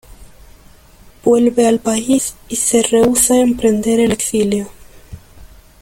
Vuelve al país y se rehúsa a emprender el exilio.